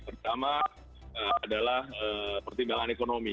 pertama adalah pertimbangan ekonomi